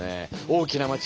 大きな町。